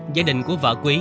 gia đình của vợ quý